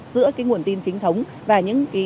giữa cái nguồn tin chính thống và những cái